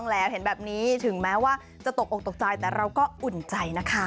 ล้อเล่นก็คือค่ะ